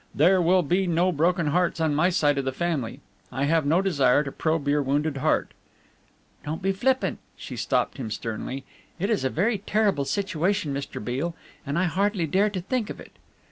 There will be no broken hearts on my side of the family. I have no desire to probe your wounded heart " "Don't be flippant," she stopped him sternly; "it is a very terrible situation, Mr. Beale, and I hardly dare to think of it."